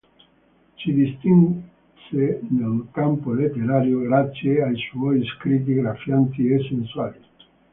Si distinse nel campo letterario grazie ai suoi scritti graffianti e sensuali.